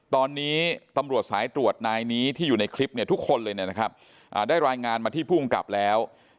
ตอนนี้ตำรวจสายตรวจนายนี้ที่อยู่ในคลิปเนี่ยทุกคนเลยนะครับได้รายงานมาที่ภูมิกับแล้ว